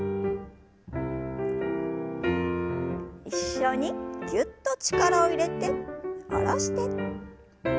一緒にぎゅっと力を入れて下ろして。